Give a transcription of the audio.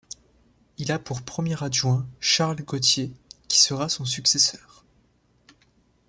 Il a pour premier adjoint Charles Gautier, qui sera son successeur.